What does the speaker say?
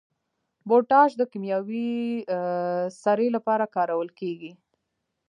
پوټاش د کیمیاوي سرې لپاره کارول کیږي.